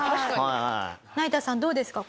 成田さんどうですか？